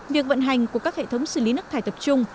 việc vận hành của các hệ thống xử lý nước thải tập trung